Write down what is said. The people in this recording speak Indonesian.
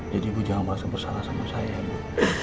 jadi bu jangan langsung bersalah sama saya bu